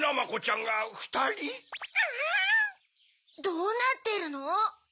どうなってるの？